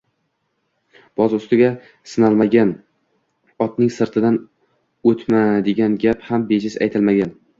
Boz ustiga, sinalmagan otning sirtidan o‘tma, degan gap ham bejiz aytilmagan